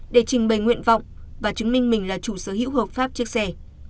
để trình bày nguyện vọng và chứng minh mình là chủ sở hữu hợp pháp chiếc xe